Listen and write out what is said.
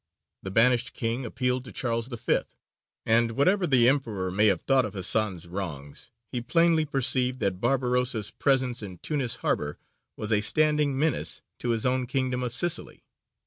The banished king appealed to Charles V., and, whatever the emperor may have thought of Hasan's wrongs, he plainly perceived that Barbarossa's presence in Tunis harbour was a standing menace to his own kingdom of Sicily.